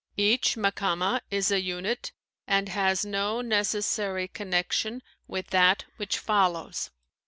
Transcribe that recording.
Each Makámah is a unit, and has no necessary connection with that which follows.